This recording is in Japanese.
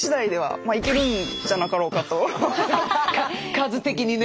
数的にね。